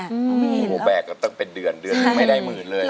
โอ้โหแบกกันตั้งเป็นเดือนเดือนไม่ได้หมื่นเลย